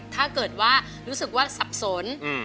ถ้าเกิดว่ารู้สึกว่าสับสน